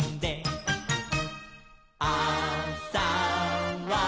「あさは」